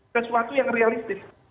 sesuatu yang realistis